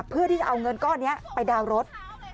เพื่อที่จะเอาเงินก้อนนี้ไปดาวน์รถ